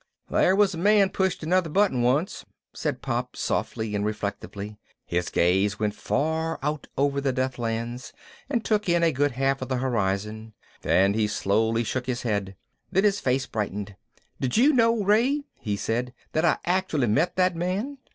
"There was a man pushed another button once," Pop said softly and reflectively. His gaze went far out over the Deathlands and took in a good half of the horizon and he slowly shook his head. Then his face brightened. "Did you know, Ray," he said, "that I actually met that man?